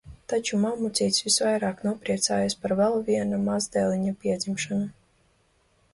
Taču mammucītis visvairāk nopriecājies par vēl viena mazdēliņa piedzimšanu.